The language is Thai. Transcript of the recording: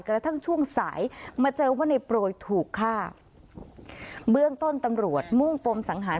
กระทั่งช่วงสายมาเจอว่าในโปรยถูกฆ่าเบื้องต้นตำรวจมุ่งปมสังหาร